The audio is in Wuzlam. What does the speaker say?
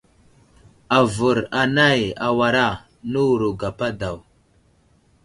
Avər anay awara, newuro gapa daw.